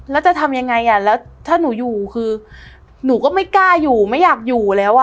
แล้วจะทำยังไงอ่ะแล้วถ้าหนูอยู่คือหนูก็ไม่กล้าอยู่ไม่อยากอยู่แล้วอ่ะ